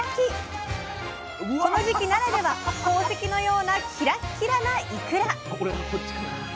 この時期ならでは宝石のようなキラッキラないくら！